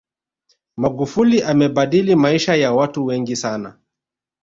magufuli amebadili maisha ya watu wengi sana